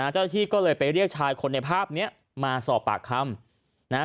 เจ้าหน้าที่ก็เลยไปเรียกชายคนในภาพนี้มาสอบปากคำนะฮะ